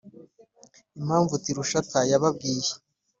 mpamvu Tirushata yababwiye